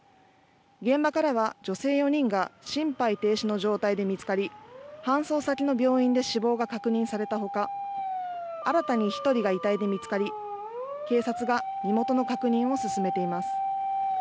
現場からは女性４人が心肺停止の状態で見つかり搬送先の病院で死亡が確認されたほか新たに１人が遺体で見つかり警察が身元の確認を進めています。